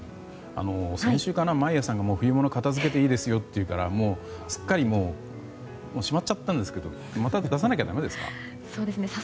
先週から眞家さんが冬物を片づけていいですよっていうからすっかりしまっちゃったんですけどまた出さなきゃだめですか？